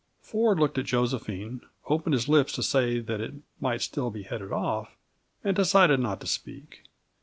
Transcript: Ford looked at Josephine, opened his lips to say that it might still be headed off, and decided not to speak.